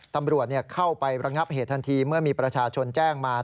ตำรวจเข้าไประงับเหตุทันทีเมื่อมีประชาชนแจ้งมา